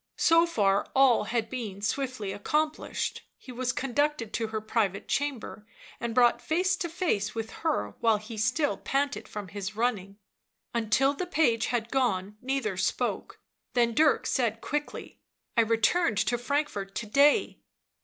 So far all t nrf S ?V CC0 7l ished; he was conducted to wVl p ^ lvat ® cham J 3e J and brought face to face with her while he still panted from his running. Until the naue had gone neither spoke, then Dirk said quickly^ S 1 returned to Frankfort to day."